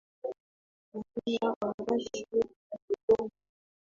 Hakuna ambacho hakikomi